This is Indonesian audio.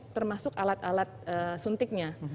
termasuk alat alat suntiknya